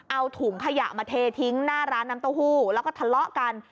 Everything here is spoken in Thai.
เอาถุงขยะมาเททิ้งหน้าร้านน้ำเต้าหู้แล้วก็ทะเลาะกัน